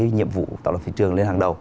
nhiệm vụ tạo lập thị trường lên hàng đầu